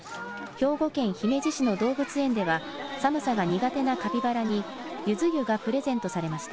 兵庫県姫路市の動物園では、寒さが苦手なカピバラに、ゆず湯がプレゼントされました。